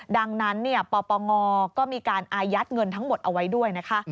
ดังนั้นปปงก็มีการอายัดเงินทั้งหมดเอาไว้ด้วยนะคะ